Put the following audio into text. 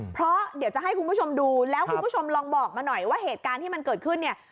เพราะเดี๋ยวจะให้คุณผู้ชมดูแล้วคุณผู้ชมลองบอกมาหน่อยว่าเหตุการณ์ที่มันเกิดขึ้นเนี่ย